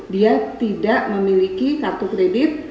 dia tidak memiliki kartu kredit